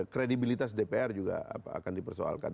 kredibilitas dpr juga akan dipersoalkan